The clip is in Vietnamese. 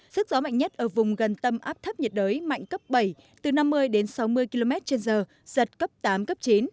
sức gió mạnh nhất ở vùng gần tâm áp thấp nhiệt đới mạnh cấp bảy từ năm mươi đến sáu mươi km trên giờ giật cấp tám cấp chín